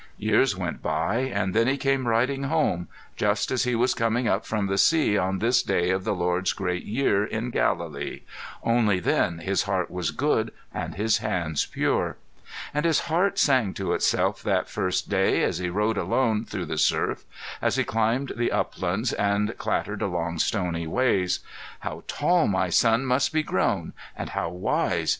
Years went by and then he came riding home just as he was coming up from the sea on this day of the Lord's Great Year in Galilee only then his heart was good and his hands pure. And his heart sang to itself that first day as he rode alone through the surf, as he climbed the uplands and clattered along stony ways, "How tall my son must be grown, and how wise!